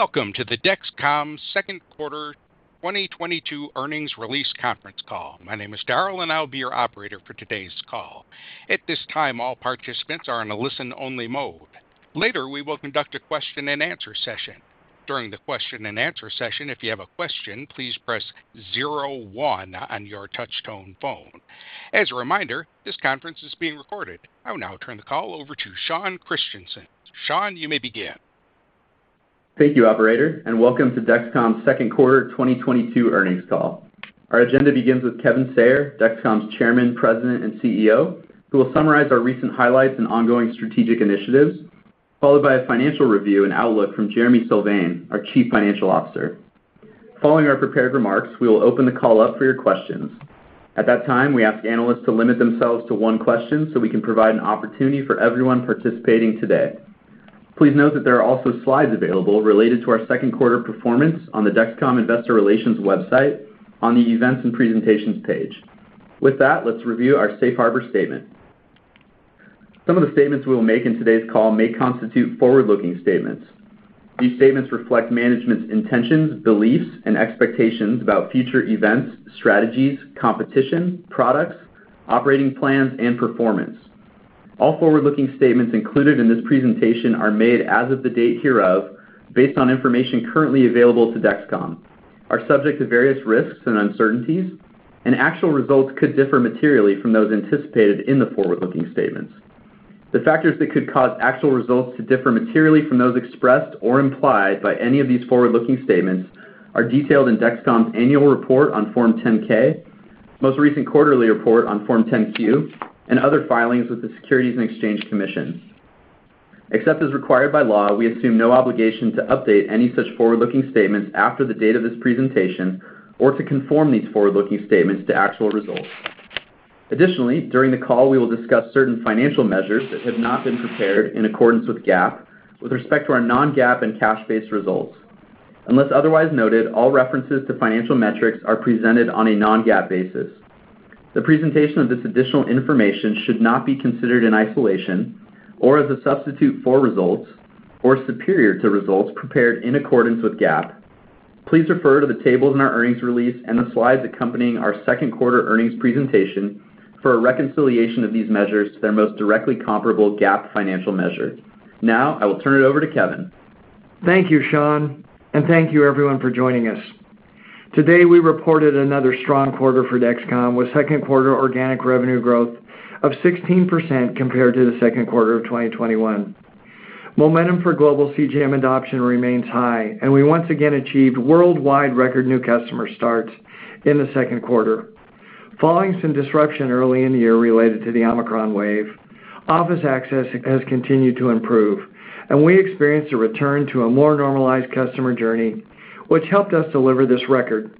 Welcome to the Dexcom Q2 2022 earnings release conference call. My name is Daryl, and I'll be your operator for today's call. At this time, all participants are in a listen-only mode. Later, we will conduct a question-and-answer session. During the question-and-answer session, if you have a question, please press zero one on your touch-tone phone. As a reminder, this conference is being recorded. I will now turn the call over to Sean Christensen. Sean, you may begin. Thank you, operator, and welcome to Dexcom's Q2 2022 earnings call. Our agenda begins with Kevin Sayer, Dexcom's Chairman, President, and CEO, who will summarize our recent highlights and ongoing strategic initiatives, followed by a financial review and outlook from Jereme Sylvain, our Chief Financial Officer. Following our prepared remarks, we will open the call up for your questions. At that time, we ask analysts to limit themselves to one question so we can provide an opportunity for everyone participating today. Please note that there are also slides available related to our Q2 performance on the Dexcom Investor Relations website on the Events and Presentations page. With that, let's review our safe harbor statement. Some of the statements we will make in today's call may constitute forward-looking statements. These statements reflect management's intentions, beliefs, and expectations about future events, strategies, competition, products, operating plans, and performance. All forward-looking statements included in this presentation are made as of the date hereof, based on information currently available to Dexcom, are subject to various risks and uncertainties, and actual results could differ materially from those anticipated in the forward-looking statements. The factors that could cause actual results to differ materially from those expressed or implied by any of these forward-looking statements are detailed in Dexcom's annual report on Form 10-K, most recent quarterly report on Form 10-Q, and other filings with the Securities and Exchange Commission. Except as required by law, we assume no obligation to update any such forward-looking statements after the date of this presentation or to conform these forward-looking statements to actual results. Additionally, during the call, we will discuss certain financial measures that have not been prepared in accordance with GAAP with respect to our non-GAAP and cash-based results. Unless otherwise noted, all references to financial metrics are presented on a non-GAAP basis. The presentation of this additional information should not be considered in isolation or as a substitute for results or superior to results prepared in accordance with GAAP. Please refer to the tables in our earnings release and the slides accompanying our Q2 earnings presentation for a reconciliation of these measures to their most directly comparable GAAP financial measure. Now, I will turn it over to Kevin. Thank you, Sean, and thank you everyone for joining us. Today, we reported another strong quarter for Dexcom with Q2 organic revenue growth of 16% compared to the Q2 of 2021. Momentum for global CGM adoption remains high, and we once again achieved worldwide record new customer starts in the Q2. Following some disruption early in the year related to the Omicron wave, office access has continued to improve, and we experienced a return to a more normalized customer journey, which helped us deliver this record.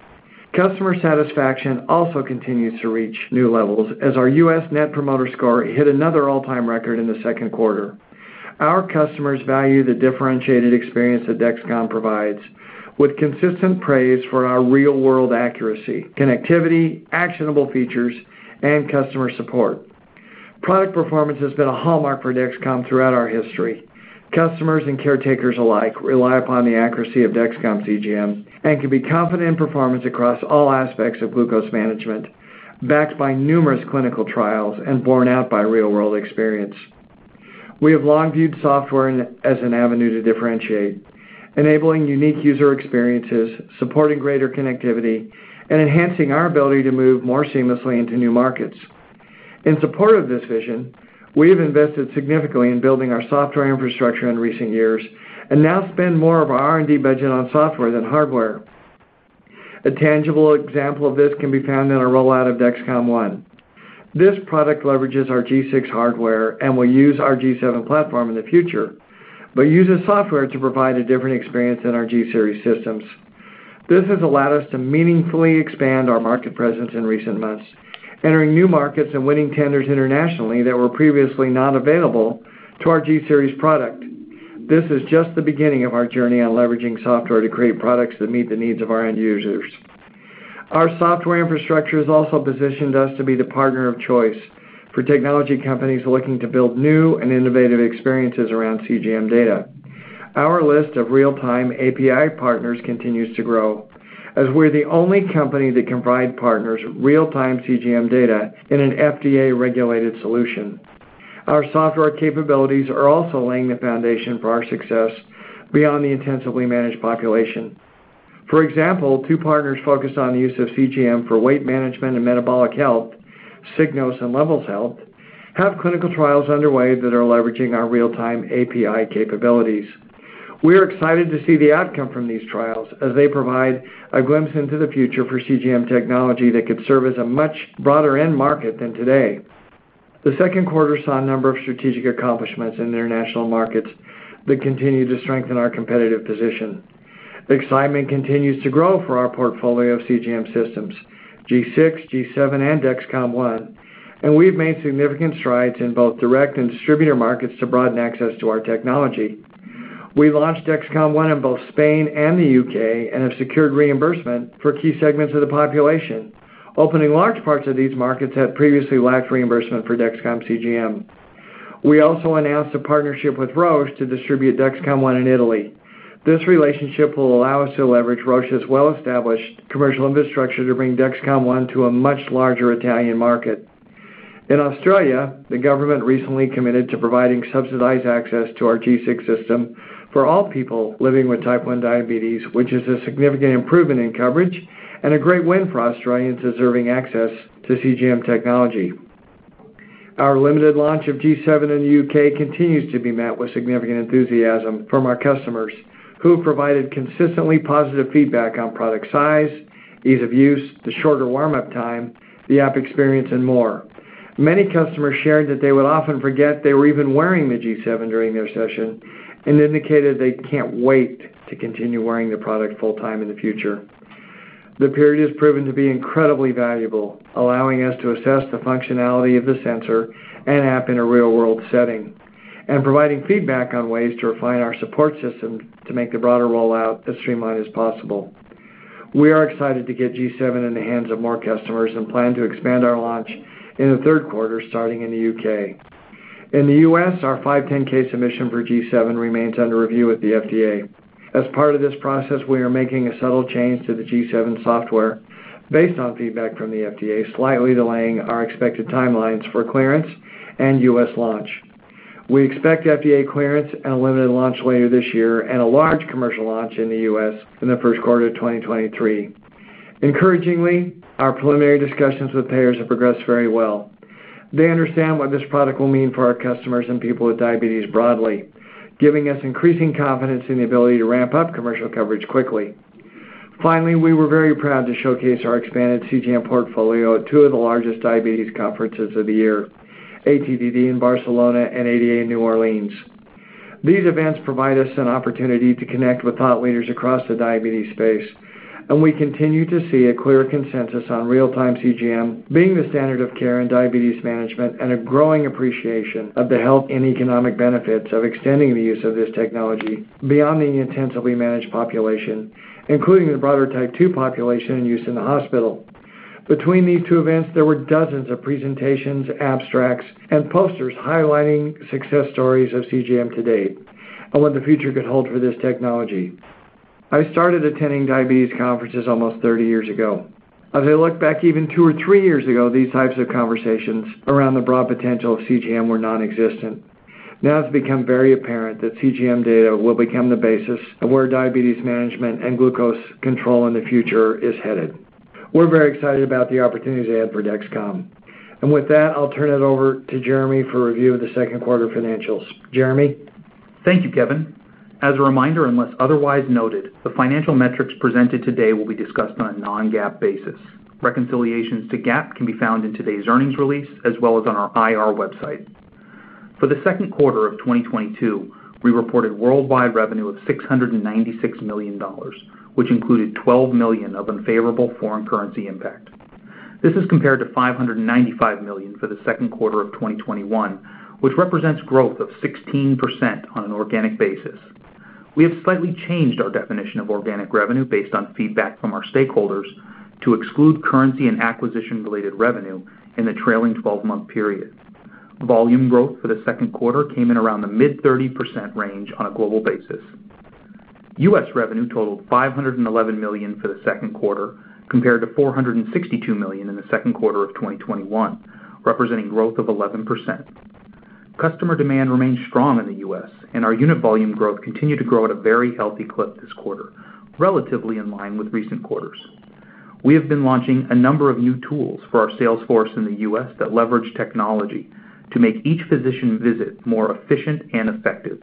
Customer satisfaction also continues to reach new levels as our U.S. Net Promoter Score hit another all-time record in the Q2. Our customers value the differentiated experience that Dexcom provides with consistent praise for our real-world accuracy, connectivity, actionable features, and customer support. Product performance has been a hallmark for Dexcom throughout our history. Customers and caretakers alike rely upon the accuracy of Dexcom CGM and can be confident in performance across all aspects of glucose management, backed by numerous clinical trials and borne out by real-world experience. We have long viewed software as an avenue to differentiate, enabling unique user experiences, supporting greater connectivity, and enhancing our ability to move more seamlessly into new markets. In support of this vision, we have invested significantly in building our software infrastructure in recent years and now spend more of our R&D budget on software than hardware. A tangible example of this can be found in our rollout of Dexcom One. This product leverages our G6 hardware and will use our G7 platform in the future, but uses software to provide a different experience than our G-Series systems. This has allowed us to meaningfully expand our market presence in recent months, entering new markets and winning tenders internationally that were previously not available to our G-Series product. This is just the beginning of our journey on leveraging software to create products that meet the needs of our end users. Our software infrastructure has also positioned us to be the partner of choice for technology companies looking to build new and innovative experiences around CGM data. Our list of real-time API partners continues to grow as we're the only company that can provide partners real-time CGM data in an FDA-regulated solution. Our software capabilities are also laying the foundation for our success beyond the intensively managed population. For example, two partners focused on the use of CGM for weight management and metabolic health, Signos and Levels Health, have clinical trials underway that are leveraging our real-time API capabilities. We are excited to see the outcome from these trials as they provide a glimpse into the future for CGM technology that could serve as a much broader end market than today. The Q2 saw a number of strategic accomplishments in international markets that continue to strengthen our competitive position. The excitement continues to grow for our portfolio of CGM systems, G6, G7, and Dexcom One, and we've made significant strides in both direct and distributor markets to broaden access to our technology. We launched Dexcom One in both Spain and the UK and have secured reimbursement for key segments of the population, opening large parts of these markets that previously lacked reimbursement for Dexcom CGM. We also announced a partnership with Roche to distribute Dexcom One in Italy. This relationship will allow us to leverage Roche's well-established commercial infrastructure to bring Dexcom One to a much larger Italian market. In Australia, the government recently committed to providing subsidized access to our G6 system for all people living with type 1 diabetes, which is a significant improvement in coverage and a great win for Australians deserving access to CGM technology. Our limited launch of G7 in the U.K. continues to be met with significant enthusiasm from our customers, who have provided consistently positive feedback on product size, ease of use, the shorter warm up time, the app experience, and more. Many customers shared that they would often forget they were even wearing the G7 during their session and indicated they can't wait to continue wearing the product full-time in the future. The period has proven to be incredibly valuable, allowing us to assess the functionality of the sensor and app in a real world setting and providing feedback on ways to refine our support system to make the broader rollout as streamlined as possible. We are excited to get G7 in the hands of more customers and plan to expand our launch in the Q3 starting in the U.K. In the U.S., our 510(k) submission for G7 remains under review with the FDA. As part of this process, we are making a subtle change to the G7 software based on feedback from the FDA, slightly delaying our expected timelines for clearance and U.S. launch. We expect FDA clearance and a limited launch later this year and a large commercial launch in the U.S. in the Q1 of 2023. Encouragingly, our preliminary discussions with payers have progressed very well. They understand what this product will mean for our customers and people with diabetes broadly, giving us increasing confidence in the ability to ramp up commercial coverage quickly. Finally, we were very proud to showcase our expanded CGM portfolio at two of the largest diabetes conferences of the year, ATTD in Barcelona and ADA in New Orleans. These events provide us an opportunity to connect with thought leaders across the diabetes space, and we continue to see a clear consensus on real-time CGM being the standard of care in diabetes management and a growing appreciation of the health and economic benefits of extending the use of this technology beyond the intensively managed population, including the broader type two population in use in the hospital. Between these two events, there were dozens of presentations, abstracts, and posters highlighting success stories of CGM to date and what the future could hold for this technology. I started attending diabetes conferences almost 30 years ago. As I look back even 2 or 3 years ago, these types of conversations around the broad potential of CGM were nonexistent. Now it's become very apparent that CGM data will become the basis of where diabetes management and glucose control in the future is headed. We're very excited about the opportunities ahead for Dexcom. With that, I'll turn it over to Jereme for review of the Q2 financials. Jereme? Thank you, Kevin. As a reminder, unless otherwise noted, the financial metrics presented today will be discussed on a non-GAAP basis. Reconciliations to GAAP can be found in today's earnings release as well as on our IR website. For the Q2 of 2022, we reported worldwide revenue of $696 million, which included $12 million of unfavorable foreign currency impact. This is compared to $595 million for the Q2 of 2021, which represents growth of 16% on an organic basis. We have slightly changed our definition of organic revenue based on feedback from our stakeholders to exclude currency and acquisition-related revenue in the trailing twelve-month period. Volume growth for the Q2 came in around the mid-30% range on a global basis. U.S. revenue totaled $511 million for the Q2, compared to $462 million in the Q2 of 2021, representing growth of 11%. Customer demand remains strong in the U.S., and our unit volume growth continued to grow at a very healthy clip this quarter, relatively in line with recent quarters. We have been launching a number of new tools for our sales force in the U.S. that leverage technology to make each physician visit more efficient and effective.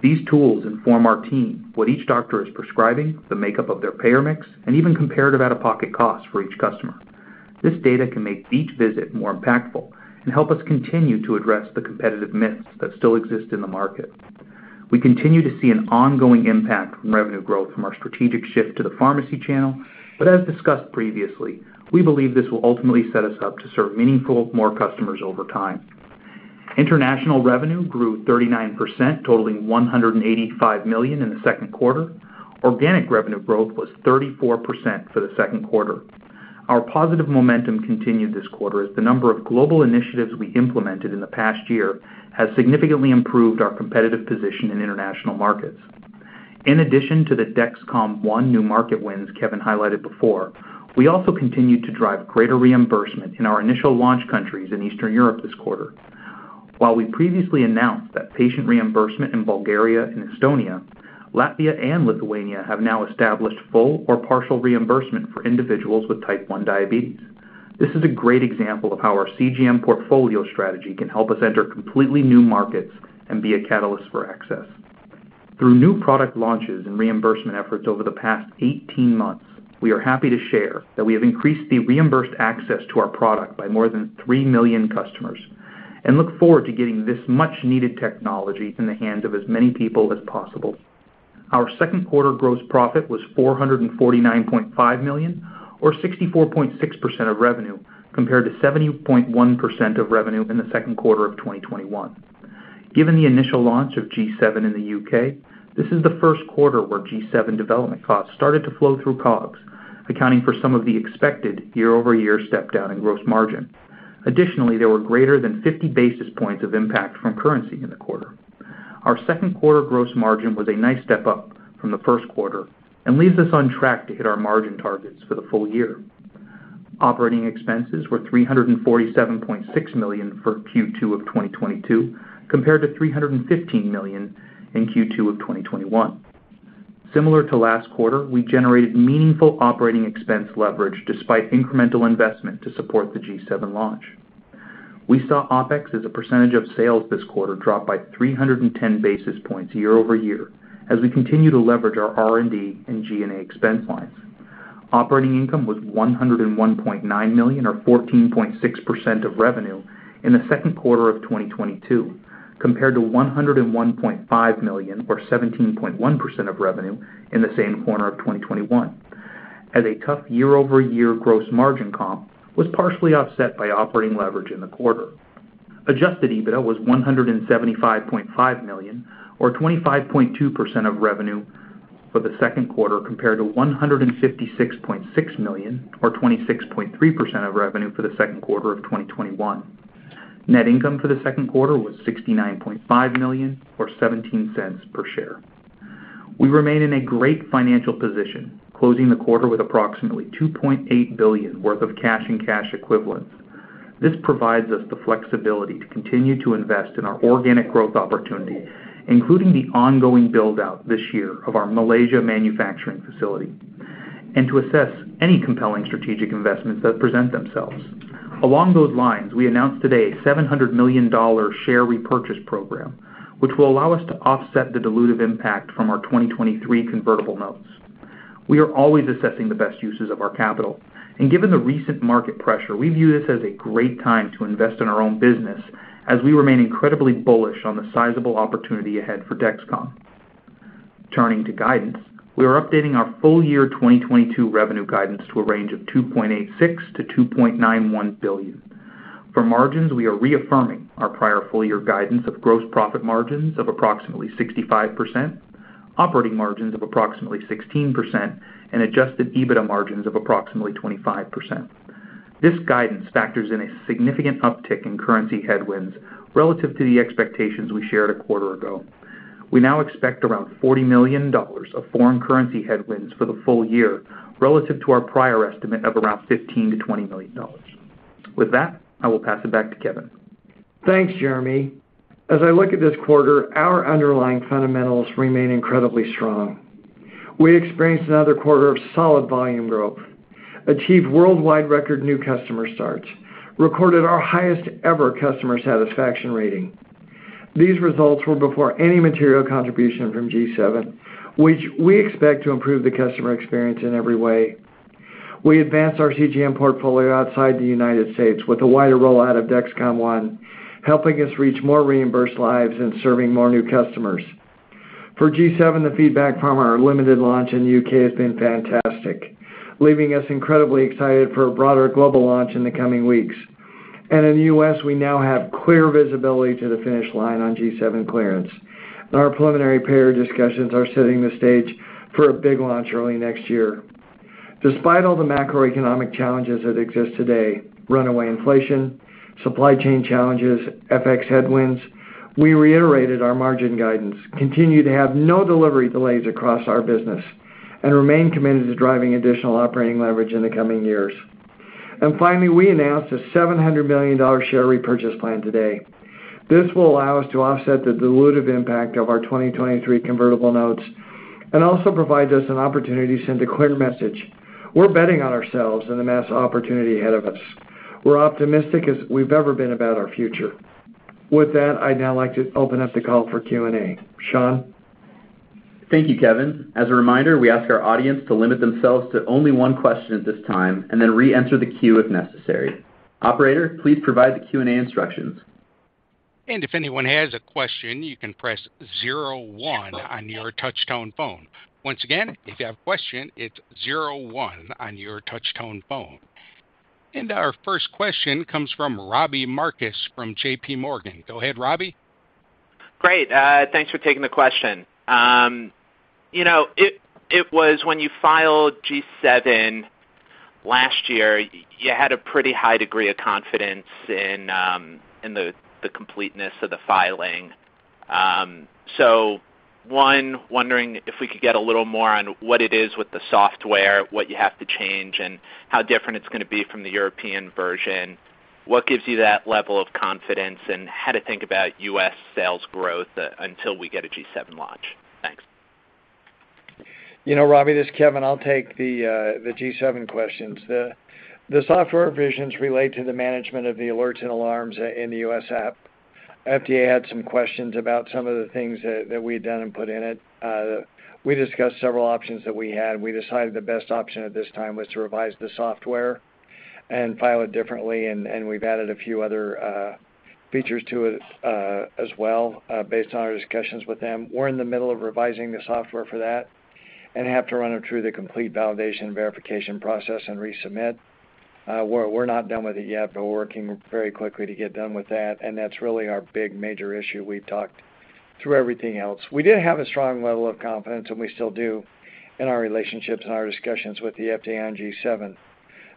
These tools inform our team what each doctor is prescribing, the makeup of their payer mix, and even comparative out-of-pocket costs for each customer. This data can make each visit more impactful and help us continue to address the competitive myths that still exist in the market. We continue to see an ongoing impact from revenue growth from our strategic shift to the pharmacy channel. As discussed previously, we believe this will ultimately set us up to serve meaningfully more customers over time. International revenue grew 39%, totaling $185 million in the Q2. Organic revenue growth was 34% for the Q2. Our positive momentum continued this quarter as the number of global initiatives we implemented in the past year has significantly improved our competitive position in international markets. In addition to the Dexcom ONE new market wins Kevin highlighted before, we also continued to drive greater reimbursement in our initial launch countries in Eastern Europe this quarter. While we previously announced that patient reimbursement in Bulgaria and Estonia, Latvia and Lithuania have now established full or partial reimbursement for individuals with type one diabetes. This is a great example of how our CGM portfolio strategy can help us enter completely new markets and be a catalyst for access. Through new product launches and reimbursement efforts over the past 18 months, we are happy to share that we have increased the reimbursed access to our product by more than 3 million customers and look forward to getting this much-needed technology in the hands of as many people as possible. Our Q2 gross profit was $449.5 million, or 64.6% of revenue, compared to 70.1% of revenue in the Q2 of 2021. Given the initial launch of G7 in the UK, this is the Q1 where G7 development costs started to flow through COGS, accounting for some of the expected year-over-year step-down in gross margin. Additionally, there were greater than 50 basis points of impact from currency in the quarter. Our Q2 gross margin was a nice step up from the Q1 and leaves us on track to hit our margin targets for the full year. Operating expenses were $347.6 million for Q2 of 2022, compared to $315 million in Q2 of 2021. Similar to last quarter, we generated meaningful operating expense leverage despite incremental investment to support the G7 launch. We saw OpEx as a percentage of sales this quarter drop by 310 basis points year-over-year as we continue to leverage our R&D and G&A expense lines. Operating income was $101.9 million or 14.6% of revenue in the Q2 of 2022, compared to $101.5 million or 17.1% of revenue in the same quarter of 2021 as a tough year-over-year gross margin comp was partially offset by operating leverage in the quarter. Adjusted EBITDA was $175.5 million or 25.2% of revenue for the Q2, compared to $156.6 million or 26.3% of revenue for the Q2 of 2021. Net income for the Q2 was $69.5 million or $0.17 per share. We remain in a great financial position, closing the quarter with approximately $2.8 billion worth of cash and cash equivalents. This provides us the flexibility to continue to invest in our organic growth opportunities, including the ongoing build-out this year of our Malaysia manufacturing facility, and to assess any compelling strategic investments that present themselves. Along those lines, we announced today a $700 million share repurchase program, which will allow us to offset the dilutive impact from our 2023 convertible notes. We are always assessing the best uses of our capital, and given the recent market pressure, we view this as a great time to invest in our own business as we remain incredibly bullish on the sizable opportunity ahead for Dexcom. Turning to guidance, we are updating our full year 2022 revenue guidance to a range of $2.86 billion-$2.91 billion. For margins, we are reaffirming our prior full year guidance of gross profit margins of approximately 65%, operating margins of approximately 16%, and adjusted EBITDA margins of approximately 25%. This guidance factors in a significant uptick in currency headwinds relative to the expectations we shared a quarter ago. We now expect around $40 million of foreign currency headwinds for the full year relative to our prior estimate of around $15 million-$20 million. With that, I will pass it back to Kevin. Thanks, Jereme. As I look at this quarter, our underlying fundamentals remain incredibly strong. We experienced another quarter of solid volume growth, achieved worldwide record new customer starts, recorded our highest-ever customer satisfaction rating. These results were before any material contribution from G7, which we expect to improve the customer experience in every way. We advanced our CGM portfolio outside the United States with a wider rollout of Dexcom One, helping us reach more reimbursed lives and serving more new customers. For G7, the feedback from our limited launch in the UK has been fantastic, leaving us incredibly excited for a broader global launch in the coming weeks. In the US, we now have clear visibility to the finish line on G7 clearance, and our preliminary payer discussions are setting the stage for a big launch early next year. Despite all the macroeconomic challenges that exist today, runaway inflation, supply chain challenges, FX headwinds, we reiterated our margin guidance, continue to have no delivery delays across our business, and remain committed to driving additional operating leverage in the coming years. Finally, we announced a $700 million share repurchase plan today. This will allow us to offset the dilutive impact of our 2023 convertible notes and also provides us an opportunity to send a clear message: we're betting on ourselves and the massive opportunity ahead of us. We're optimistic as we've ever been about our future. With that, I'd now like to open up the call for Q&A. Sean? Thank you, Kevin. As a reminder, we ask our audience to limit themselves to only one question at this time and then re-enter the queue if necessary. Operator, please provide the Q&A instructions. If anyone has a question, you can press zero one on your touch-tone phone. Once again, if you have a question, it's zero one on your touch-tone phone. Our first question comes from Robbie Marcus from JPMorgan. Go ahead, Robbie. Great. Thanks for taking the question. You know, it was when you filed G7 last year, you had a pretty high degree of confidence in the completeness of the filing. Wondering if we could get a little more on what it is with the software, what you have to change, and how different it's gonna be from the European version. What gives you that level of confidence, and how to think about U.S. sales growth until we get a G7 launch? Thanks. You know, Robbie, this is Kevin. I'll take the G7 questions. The software revisions relate to the management of the alerts and alarms in the U.S. app. FDA had some questions about some of the things that we had done and put in it. We discussed several options that we had. We decided the best option at this time was to revise the software and file it differently, and we've added a few other features to it as well, based on our discussions with them. We're in the middle of revising the software for that and have to run it through the complete validation verification process and resubmit. We're not done with it yet, but we're working very quickly to get done with that, and that's really our big major issue. We've talked through everything else. We did have a strong level of confidence, and we still do in our relationships and our discussions with the FDA on G7.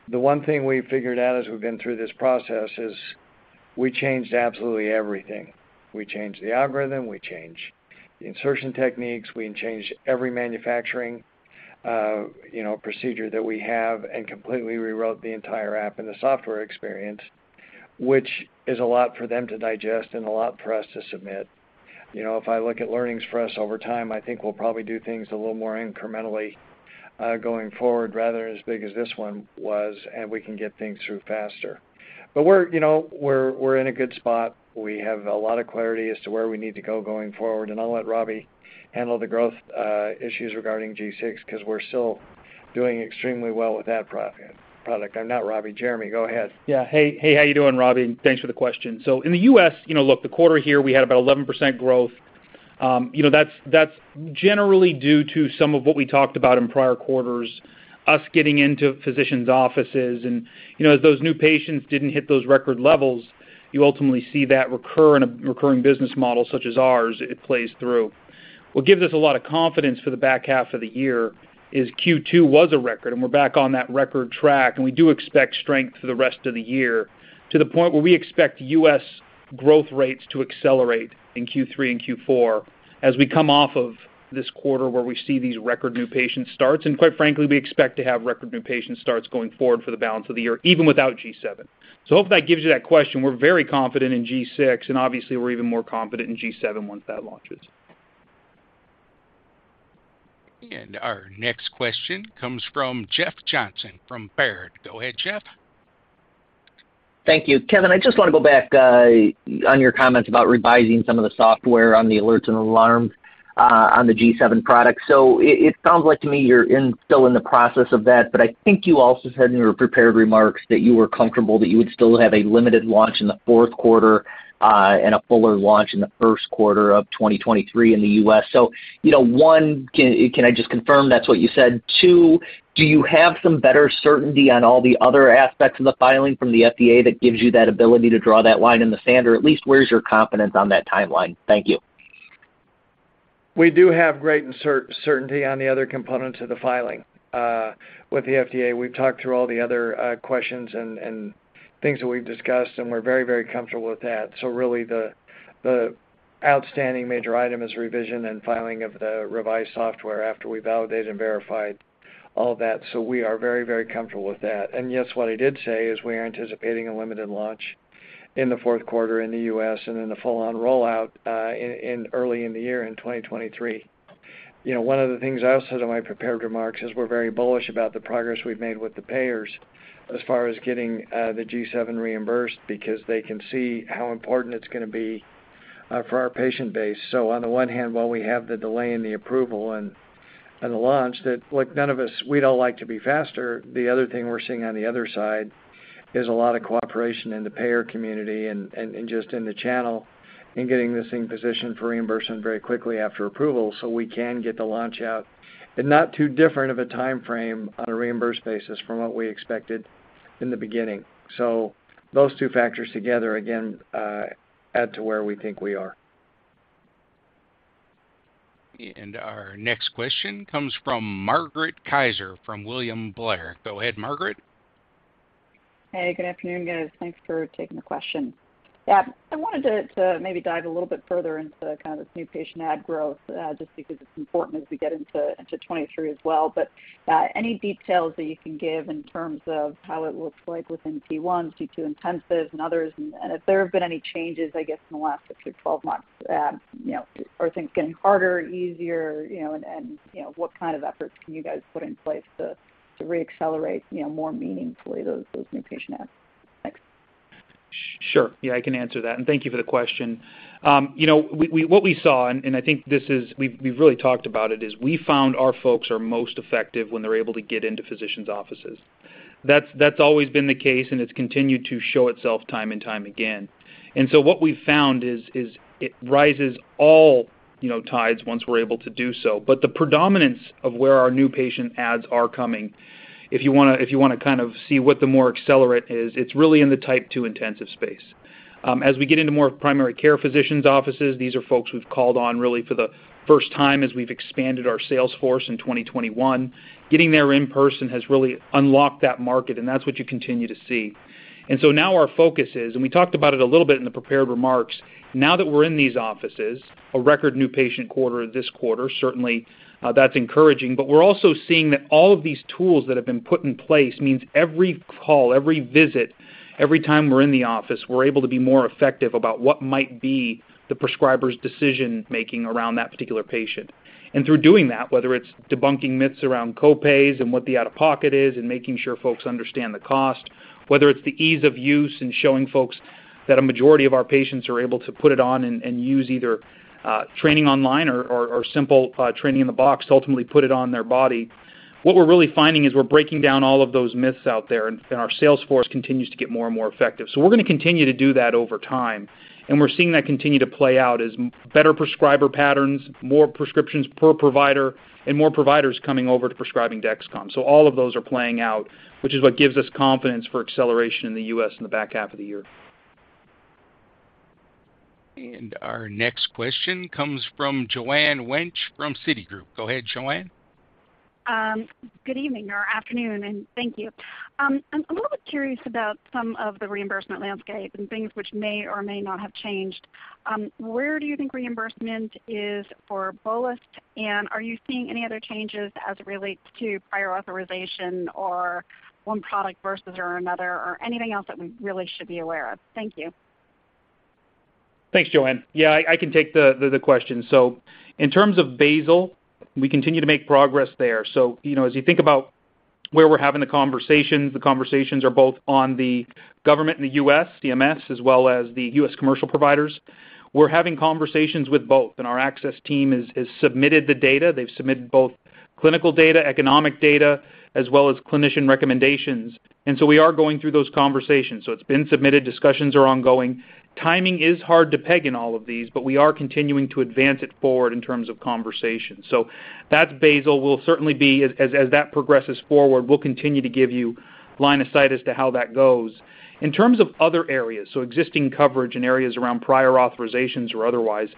The one thing we've figured out as we've been through this process is we changed absolutely everything. We changed the algorithm, we changed the insertion techniques, we changed every manufacturing, you know, procedure that we have and completely rewrote the entire app and the software experience, which is a lot for them to digest and a lot for us to submit. You know, if I look at learnings for us over time, I think we'll probably do things a little more incrementally, going forward rather as big as this one was, and we can get things through faster. We're, you know, in a good spot. We have a lot of clarity as to where we need to go going forward, and I'll let Robbie handle the growth issues regarding G6 'cause we're still doing extremely well with that product. Or not Robbie, Jereme, go ahead. Yeah. Hey, how you doing, Robbie? Thanks for the question. In the US, you know, look, the quarter here, we had about 11% growth. You know, that's generally due to some of what we talked about in prior quarters, us getting into physicians' offices. You know, as those new patients didn't hit those record levels, you ultimately see that recur in a recurring business model such as ours, it plays through. What gives us a lot of confidence for the back half of the year is Q2 was a record, and we're back on that record track, and we do expect strength for the rest of the year to the point where we expect US growth rates to accelerate in Q3 and Q4 as we come off of this quarter where we see these record new patient starts. Quite frankly, we expect to have record new patient starts going forward for the balance of the year, even without G7. Hope that gives you that question. We're very confident in G6, and obviously, we're even more confident in G7 once that launches. Our next question comes from Jeff Johnson from Baird. Go ahead, Jeff. Thank you. Kevin, I just wanna go back on your comments about revising some of the software on the alerts and alarms on the G7 product. It sounds like to me you're still in the process of that, but I think you also said in your prepared remarks that you were comfortable that you would still have a limited launch in the Q4 and a fuller launch in the Q1 of 2023 in the U.S. You know, one, can I just confirm that's what you said? Two, do you have some better certainty on all the other aspects of the filing from the FDA that gives you that ability to draw that line in the sand? Or at least where's your confidence on that timeline? Thank you. We do have great certainty on the other components of the filing with the FDA. We've talked through all the other questions and things that we've discussed, and we're very, very comfortable with that. Really the outstanding major item is revision and filing of the revised software after we validate and verify all that. We are very, very comfortable with that. Yes, what I did say is we are anticipating a limited launch in the Q4 in the U.S. and then a full-on rollout in early in the year in 2023. You know, one of the things I also said in my prepared remarks is we're very bullish about the progress we've made with the payers as far as getting the G7 reimbursed because they can see how important it's gonna be for our patient base. On the one hand, while we have the delay in the approval and the launch. Look, none of us, we'd all like to be faster. The other thing we're seeing on the other side is a lot of cooperation in the payer community and just in the channel in getting this thing positioned for reimbursement very quickly after approval, so we can get the launch out in not too different of a timeframe on a reimbursed basis from what we expected in the beginning. Those two factors together, again, add to where we think we are. Our next question comes from Margaret Kaczor from William Blair. Go ahead, Margaret. Hey, good afternoon, guys. Thanks for taking the question. Yeah. I wanted to maybe dive a little bit further into kind of this new patient add growth, just because it's important as we get into 2023 as well. Any details that you can give in terms of how it looks like within T1s, T2 intensives, and others, and if there have been any changes, I guess, in the last 6-12 months? You know, are things getting harder, easier? You know, and you know, what kind of efforts can you guys put in place to reaccelerate more meaningfully those new patient adds? Thanks. Sure. Yeah, I can answer that, and thank you for the question. What we saw, I think we've really talked about it, is we found our folks are most effective when they're able to get into physicians' offices. That's always been the case, and it's continued to show itself time and time again. What we've found is it rises all tides once we're able to do so. But the predominance of where our new patient adds are coming, if you wanna kind of see what the acceleration is, it's really in the Type 2 intensive space. As we get into more primary care physicians' offices, these are folks we've called on really for the first time as we've expanded our sales force in 2021. Getting there in person has really unlocked that market, and that's what you continue to see. Now our focus is, and we talked about it a little bit in the prepared remarks, now that we're in these offices, a record new patient quarter this quarter, certainly, that's encouraging. We're also seeing that all of these tools that have been put in place means every call, every visit, every time we're in the office, we're able to be more effective about what might be the prescriber's decision-making around that particular patient. Through doing that, whether it's debunking myths around co-pays and what the out-of-pocket is and making sure folks understand the cost, whether it's the ease of use and showing folks that a majority of our patients are able to put it on and use either training online or simple training in the box to ultimately put it on their body. What we're really finding is we're breaking down all of those myths out there, and our sales force continues to get more and more effective. We're gonna continue to do that over time, and we're seeing that continue to play out as better prescriber patterns, more prescriptions per provider, and more providers coming over to prescribing Dexcom. All of those are playing out, which is what gives us confidence for acceleration in the U.S. in the back half of the year. Our next question comes from Joanne Wuensch from Citigroup. Go ahead, Joanne. Good evening or afternoon, and thank you. I'm a little bit curious about some of the reimbursement landscape and things which may or may not have changed. Where do you think reimbursement is for bolus? And are you seeing any other changes as it relates to prior authorization or one product versus or another, or anything else that we really should be aware of? Thank you. Thanks, Joanne. Yeah, I can take the question. In terms of basal, we continue to make progress there. You know, as you think about where we're having the conversations, the conversations are both with the government and the U.S. CMS, as well as the U.S. commercial providers. We're having conversations with both, and our access team has submitted the data. They've submitted both clinical data, economic data, as well as clinician recommendations. We are going through those conversations. It's been submitted. Discussions are ongoing. Timing is hard to peg in all of these, but we are continuing to advance it forward in terms of conversations. That's basal. As that progresses forward, we'll continue to give you line of sight as to how that goes. In terms of other areas, existing coverage in areas around prior authorizations or otherwise,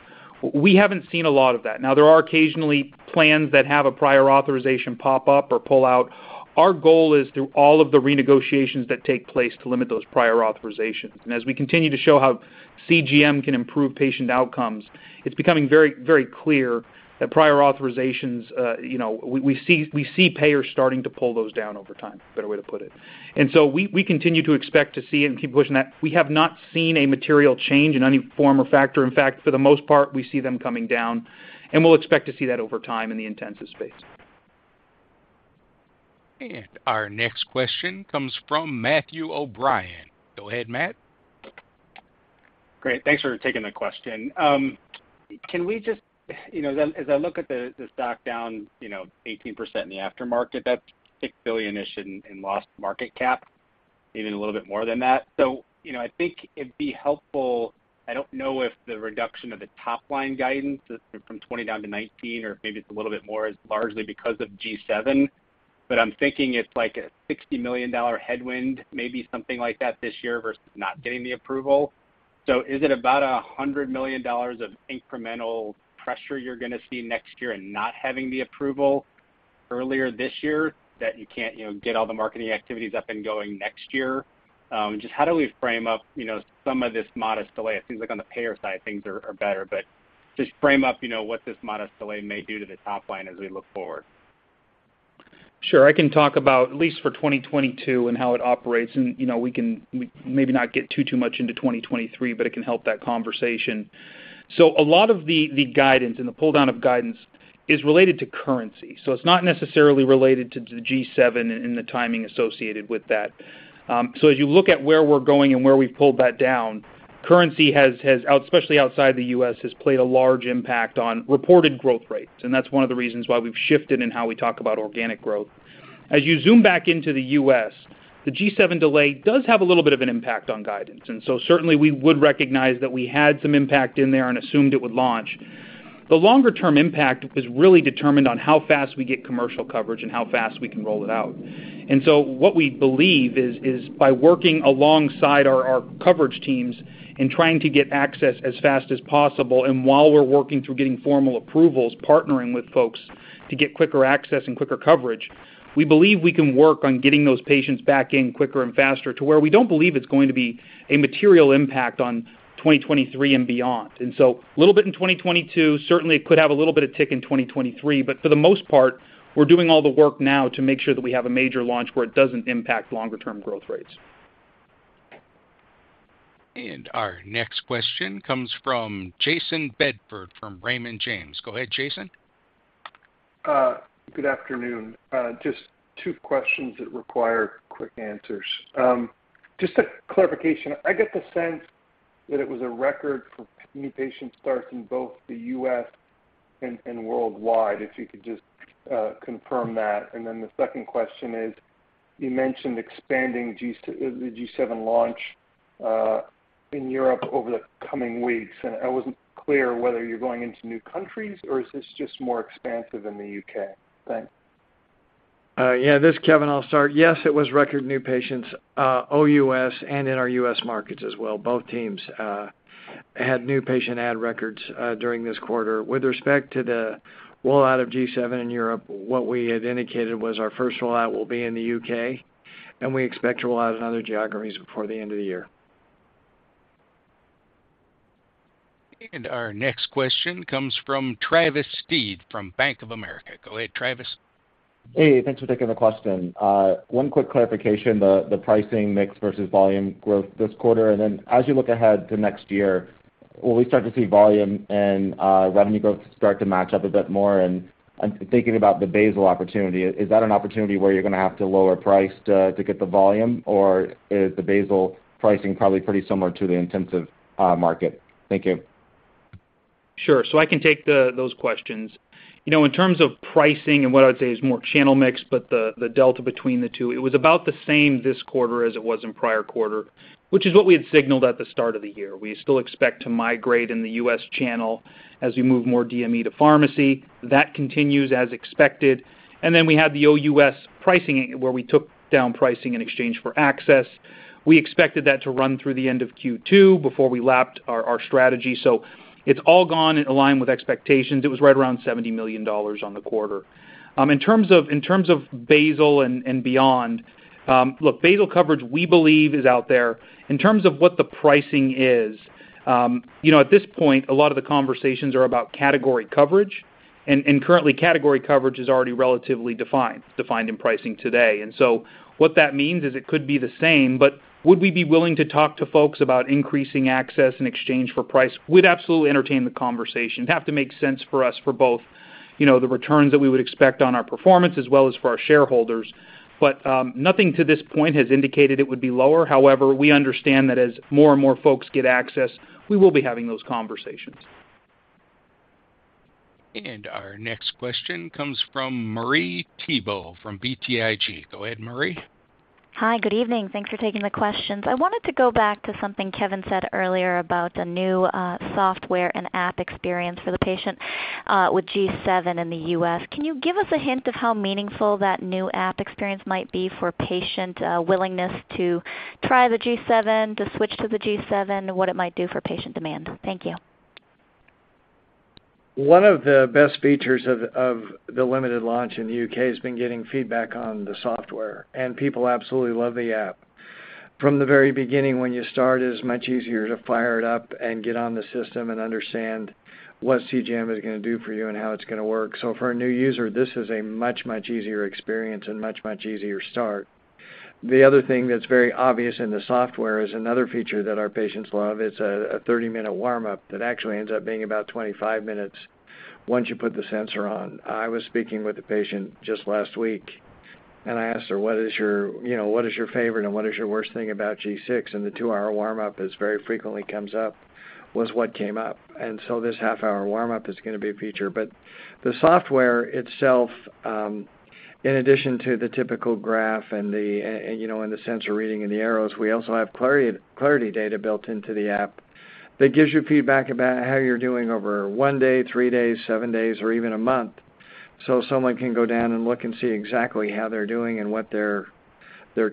we haven't seen a lot of that. Now, there are occasionally plans that have a prior authorization pop up or pullout. Our goal is through all of the renegotiations that take place to limit those prior authorizations. As we continue to show how CGM can improve patient outcomes, it's becoming very, very clear that prior authorizations, we see payers starting to pull those down over time. Better way to put it. We continue to expect to see and keep pushing that. We have not seen a material change in any form or fashion. In fact, for the most part, we see them coming down, and we'll expect to see that over time in the intensive space. Our next question comes from Matthew O'Brien. Go ahead, Matt. Great. Thanks for taking the question. Can we just you know, as I look at the stock down 18% in the aftermarket, that's $6 billion-ish in lost market cap, maybe a little bit more than that. You know, I think it'd be helpful. I don't know if the reduction of the top line guidance from 20 down to 19 or maybe it's a little bit more is largely because of G7, but I'm thinking it's like a $60 million headwind, maybe something like that this year versus not getting the approval. Is it about a $100 million of incremental pressure you're gonna see next year in not having the approval earlier this year that you can't you know, get all the marketing activities up and going next year? Just how do we frame up, you know, some of this modest delay? It seems like on the payer side, things are better. Just frame up, you know, what this modest delay may do to the top line as we look forward. Sure. I can talk about at least for 2022 and how it operates. You know, we can maybe not get too much into 2023, but it can help that conversation. A lot of the guidance and the pull-down of guidance is related to currency. It's not necessarily related to the G7 and the timing associated with that. As you look at where we're going and where we've pulled that down, currency has, especially outside the U.S., played a large impact on reported growth rates, and that's one of the reasons why we've shifted in how we talk about organic growth. As you zoom back into the U.S., the G7 delay does have a little bit of an impact on guidance. Certainly we would recognize that we had some impact in there and assumed it would launch. The longer term impact is really determined on how fast we get commercial coverage and how fast we can roll it out. What we believe is by working alongside our coverage teams and trying to get access as fast as possible, and while we're working through getting formal approvals, partnering with folks to get quicker access and quicker coverage, we believe we can work on getting those patients back in quicker and faster to where we don't believe it's going to be a material impact on 2023 and beyond. A little bit in 2022. Certainly, it could have a little bit of tick in 2023. For the most part, we're doing all the work now to make sure that we have a major launch where it doesn't impact longer term growth rates. Our next question comes from Jayson Bedford from Raymond James. Go ahead, Jayson. Good afternoon. Just two questions that require quick answers. Just a clarification. I get the sense that it was a record for new patient starts in both the U.S. and worldwide, if you could just confirm that. The second question is, you mentioned expanding the G7 launch in Europe over the coming weeks, and I wasn't clear whether you're going into new countries or is this just more expansive in the U.K.? Thanks. This is Kevin. I'll start. Yes, it was record new patients, OUS and in our U.S. markets as well. Both teams had new patient add records during this quarter. With respect to the roll out of G7 in Europe, what we had indicated was our first rollout will be in the U.K., and we expect to roll out in other geographies before the end of the year. Our next question comes from Travis Steed from Bank of America. Go ahead, Travis. Hey, thanks for taking the question. One quick clarification, the pricing mix versus volume growth this quarter. Then as you look ahead to next year, will we start to see volume and revenue growth start to match up a bit more? I'm thinking about the basal opportunity. Is that an opportunity where you're gonna have to lower price to get the volume? Or is the basal pricing probably pretty similar to the intensive market? Thank you. Sure. I can take those questions. You know, in terms of pricing and what I would say is more channel mix, but the delta between the two, it was about the same this quarter as it was in prior quarter, which is what we had signaled at the start of the year. We still expect to migrate in the U.S. channel as we move more DME to pharmacy. That continues as expected. We had the OUS pricing where we took down pricing in exchange for access. We expected that to run through the end of Q2 before we lapped our strategy. It's all gone in line with expectations. It was right around $70 million on the quarter. In terms of basal and beyond, look, basal coverage, we believe is out there. In terms of what the pricing is, you know, at this point, a lot of the conversations are about category coverage. And currently category coverage is already relatively defined in pricing today. What that means is it could be the same, but would we be willing to talk to folks about increasing access in exchange for price? We'd absolutely entertain the conversation. Have to make sense for us for both, you know, the returns that we would expect on our performance as well as for our shareholders. But nothing to this point has indicated it would be lower. However, we understand that as more and more folks get access, we will be having those conversations. Our next question comes from Marie Thibault from BTIG. Go ahead, Marie. Hi. Good evening. Thanks for taking the questions. I wanted to go back to something Kevin said earlier about the new software and app experience for the patient with G7 in the U.S. Can you give us a hint of how meaningful that new app experience might be for patient willingness to try the G7, to switch to the G7, and what it might do for patient demand? Thank you. One of the best features of the limited launch in the UK has been getting feedback on the software, and people absolutely love the app. From the very beginning, when you start, it's much easier to fire it up and get on the system and understand what CGM is gonna do for you and how it's gonna work. For a new user, this is a much easier experience and much easier start. The other thing that's very obvious in the software is another feature that our patients love. It's a 30-minute warm up that actually ends up being about 25 minutes once you put the sensor on. I was speaking with a patient just last week, and I asked her, "What is your favorite and what is your worst thing about G6?" The 2-hour warm up is very frequently comes up, was what came up. This half hour warm up is gonna be a feature. The software itself, in addition to the typical graph and the and, you know, and the sensor reading and the arrows, we also have Clarity data built into the app that gives you feedback about how you're doing over 1 day, 3 days, 7 days or even a month. Someone can go down and look and see exactly how they're doing and what their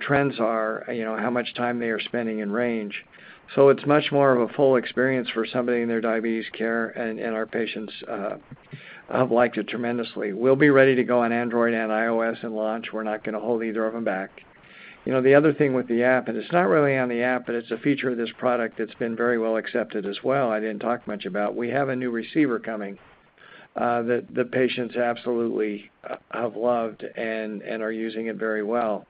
trends are, you know, how much time they are spending in range. It's much more of a full experience for somebody in their diabetes care, and our patients liked it tremendously. We'll be ready to go on Android and iOS in launch. We're not gonna hold either of them back. You know, the other thing with the app, and it's not really on the app, but it's a feature of this product that's been very well accepted as well I didn't talk much about, we have a new receiver coming, that patients absolutely have loved and are using it very well.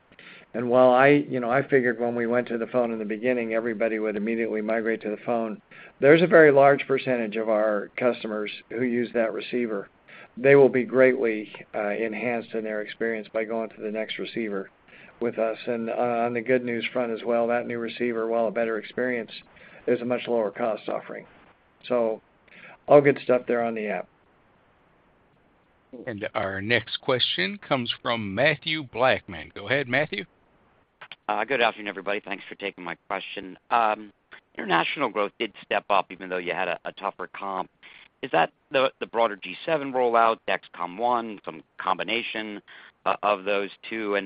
While I, you know, I figured when we went to the phone in the beginning, everybody would immediately migrate to the phone, there's a very large percentage of our customers who use that receiver. They will be greatly enhanced in their experience by going to the next receiver with us. On the good news front as well, that new receiver, while a better experience, is a much lower cost offering. All good stuff there on the app. Our next question comes from Mathew Blackman. Go ahead, Mathew. Good afternoon, everybody. Thanks for taking my question. International growth did step up even though you had a tougher comp. Is that the broader G7 rollout, Dexcom ONE, some combination of those two?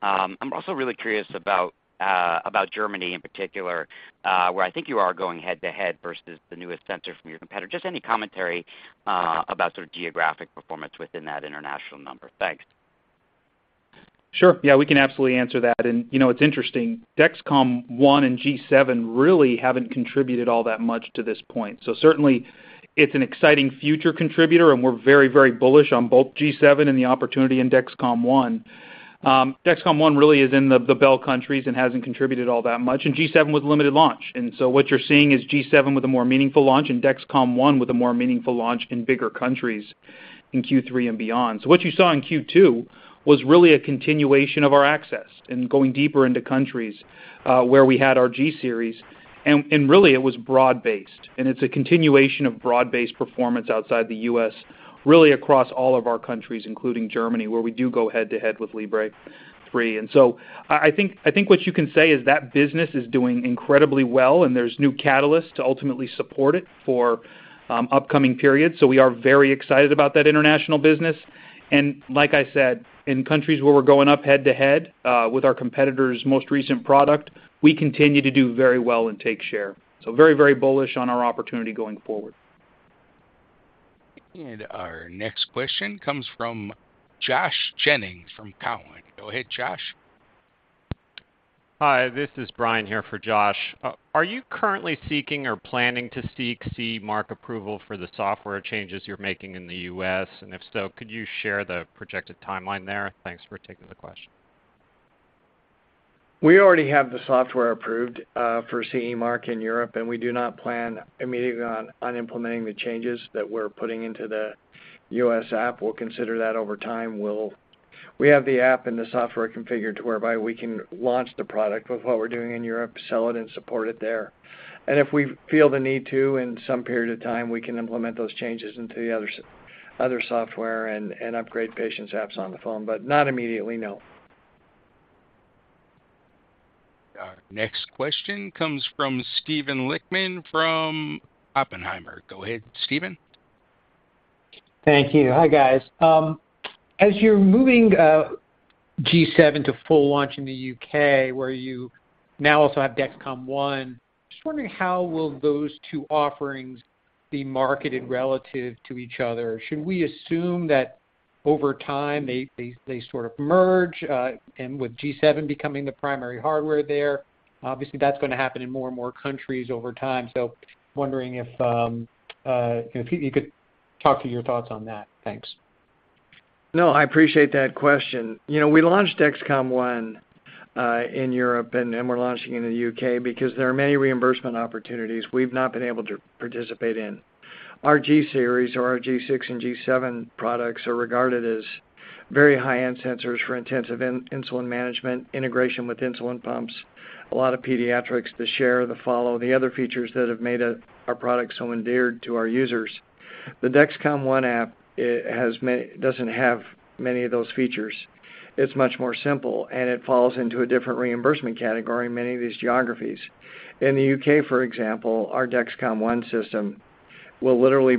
I'm also really curious about Germany in particular, where I think you are going head to head versus the newest sensor from your competitor. Just any commentary about sort of geographic performance within that international number. Thanks. Sure. Yeah, we can absolutely answer that. You know, it's interesting. Dexcom ONE and G7 really haven't contributed all that much to this point. Certainly it's an exciting future contributor, and we're very, very bullish on both G7 and the opportunity in Dexcom ONE. Dexcom ONE really is in the Benelux countries and hasn't contributed all that much. G7 was a limited launch, and what you're seeing is G7 with a more meaningful launch and Dexcom ONE with a more meaningful launch in bigger countries in Q3 and beyond. What you saw in Q2 was really a continuation of our access and going deeper into countries where we had our G-Series. Really it was broad-based, and it's a continuation of broad-based performance outside the U.S., really across all of our countries, including Germany, where we do go head to head with Libre 3. I think what you can say is that business is doing incredibly well, and there's new catalysts to ultimately support it for upcoming periods. We are very excited about that international business. Like I said, in countries where we're going up head to head with our competitor's most recent product, we continue to do very well and take share. Very, very bullish on our opportunity going forward. Our next question comes from Josh Jennings from Cowen. Go ahead, Josh. Hi, this is Brian here for Josh. Are you currently seeking or planning to seek CE mark approval for the software changes you're making in the U.S.? If so, could you share the projected timeline there? Thanks for taking the question. We already have the software approved for CE mark in Europe, and we do not plan immediately on implementing the changes that we're putting into the U.S. app. We'll consider that over time. We have the app and the software configured to whereby we can launch the product with what we're doing in Europe, sell it, and support it there. If we feel the need to in some period of time, we can implement those changes into the other software and upgrade patients' apps on the phone. But not immediately, no. Our next question comes from Steven Lichtman from Oppenheimer. Go ahead, Steven. Thank you. Hi, guys. As you're moving G7 to full launch in the UK, where you now also have Dexcom ONE, just wondering how will those two offerings be marketed relative to each other? Should we assume that over time, they sort of merge, and with G7 becoming the primary hardware there? Obviously, that's gonna happen in more and more countries over time. Wondering if, you know, if you could talk to your thoughts on that. Thanks. No, I appreciate that question. You know, we launched Dexcom ONE in Europe, and we're launching in the U.K. because there are many reimbursement opportunities we've not been able to participate in. Our G-Series or our G6 and G7 products are regarded as very high-end sensors for intensive insulin management, integration with insulin pumps, a lot of pediatrics, the share, the follow, the other features that have made our products so endeared to our users. The Dexcom ONE app doesn't have many of those features. It's much more simple, and it falls into a different reimbursement category in many of these geographies. In the U.K., for example, our Dexcom ONE system will literally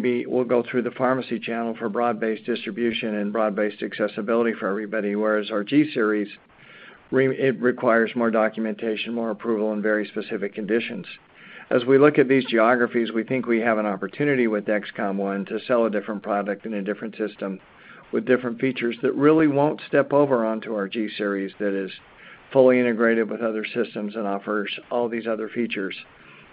go through the pharmacy channel for broad-based distribution and broad-based accessibility for everybody, whereas our G-Series requires more documentation, more approval in very specific conditions. As we look at these geographies, we think we have an opportunity with Dexcom One to sell a different product in a different system with different features that really won't step over onto our G series that is fully integrated with other systems and offers all these other features.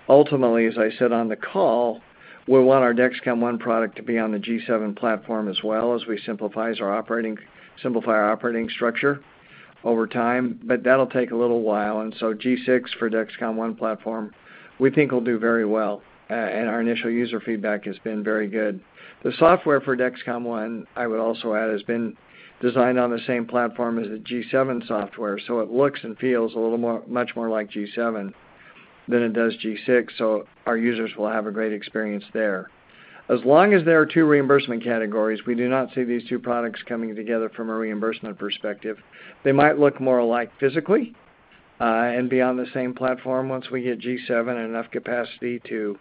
Ultimately, as I said on the call, we want our Dexcom One product to be on the G7 platform as well as simplify our operating structure over time, but that'll take a little while. G6 for Dexcom One platform, we think will do very well, and our initial user feedback has been very good. The software for Dexcom One, I would also add, has been designed on the same platform as the G7 software, so it looks and feels much more like G7 than it does G6. Our users will have a great experience there. As long as there are two reimbursement categories, we do not see these two products coming together from a reimbursement perspective. They might look more alike physically, and be on the same platform once we get G7 and enough capacity to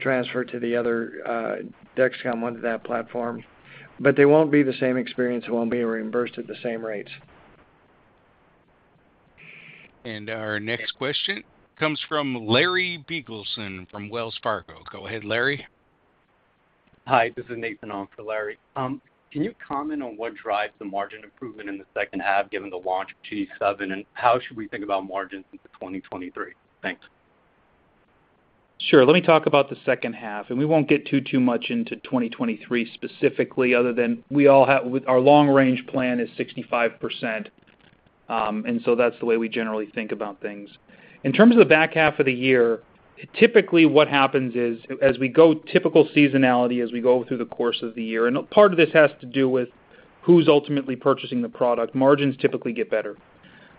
transfer to the other, Dexcom onto that platform, but they won't be the same experience. It won't be reimbursed at the same rates. Our next question comes from Larry Biegelsen from Wells Fargo. Go ahead, Larry. Hi, this is Nathan on for Larry. Can you comment on what drives the margin improvement in the second half, given the launch of G7, and how should we think about margins into 2023? Thanks. Sure. Let me talk about the second half, and we won't get too much into 2023 specifically other than with our long-range plan is 65%, and so that's the way we generally think about things. In terms of the back half of the year, typically what happens is, as we go typical seasonality, as we go through the course of the year, and a part of this has to do with who's ultimately purchasing the product, margins typically get better.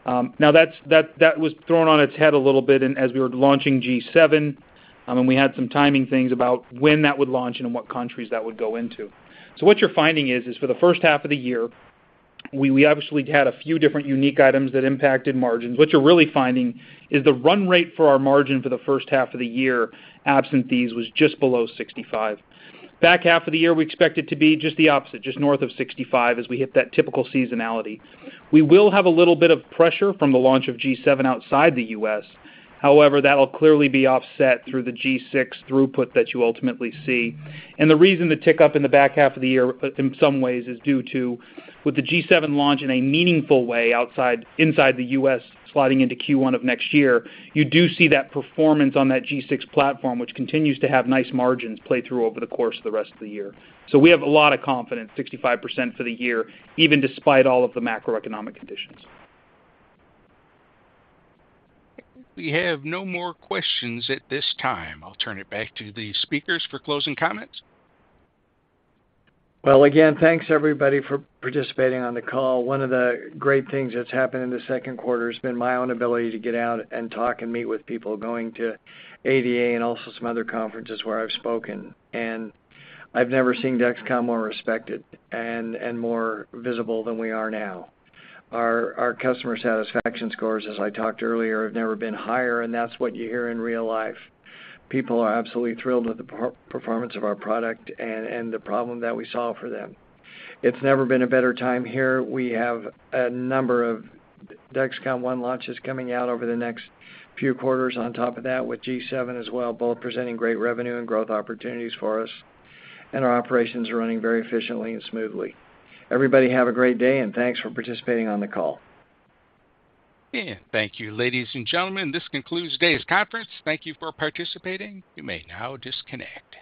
Now that was thrown on its head a little bit as we were launching G7, and we had some timing things about when that would launch and in what countries that would go into. What you're finding is for the first half of the year, we obviously had a few different unique items that impacted margins. What you're really finding is the run rate for our margin for the first half of the year, absent these, was just below 65%. Back half of the year, we expect it to be just the opposite, just north of 65% as we hit that typical seasonality. We will have a little bit of pressure from the launch of G7 outside the U.S. However, that'll clearly be offset through the G6 throughput that you ultimately see. The reason the tick up in the back half of the year, but in some ways is due to, with the G7 launch in a meaningful way outside inside the U.S. sliding into Q1 of next year, you do see that performance on that G6 platform, which continues to have nice margins play through over the course of the rest of the year. We have a lot of confidence, 65% for the year, even despite all of the macroeconomic conditions. We have no more questions at this time. I'll turn it back to the speakers for closing comments. Well, again, thanks everybody for participating on the call. One of the great things that's happened in the Q2 has been my own ability to get out and talk and meet with people, going to ADA and also some other conferences where I've spoken. I've never seen Dexcom more respected and more visible than we are now. Our customer satisfaction scores, as I talked earlier, have never been higher, and that's what you hear in real life. People are absolutely thrilled with the performance of our product and the problem that we solve for them. It's never been a better time here. We have a number of Dexcom One launches coming out over the next few quarters on top of that with G7 as well, both presenting great revenue and growth opportunities for us, and our operations are running very efficiently and smoothly. Everybody have a great day and thanks for participating on the call. Thank you. Ladies and gentlemen, this concludes today's conference. Thank you for participating. You may now disconnect.